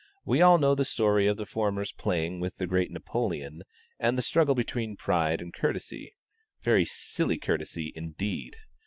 We all know the story of the former's playing with the great Napoleon, and the struggle between pride and courtesy (very silly courtesy, indeed!)